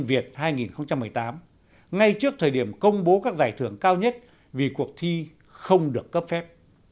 duyên ráng doanh nhân việt hai nghìn một mươi tám ngay trước thời điểm công bố các giải thưởng cao nhất vì cuộc thi không được cấp phép